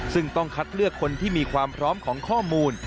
ซึ่งต้องคัดเลือกคนที่มีความพร้อมของข้อมูล